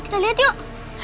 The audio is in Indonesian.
kita lihat yuk